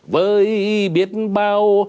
với biết bao